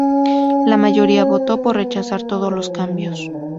La mayoría votó por rechazar todos los cambios.